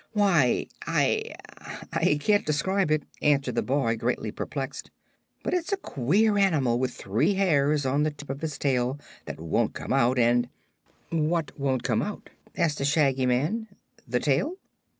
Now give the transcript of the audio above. "Why, I I can't describe it," answered the boy, greatly perplexed. "But it's a queer animal with three hairs on the tip of its tail that won't come out and " "What won't come out?" asked the Shaggy Man; "the tail?"